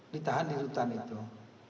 ditahan di rutan itu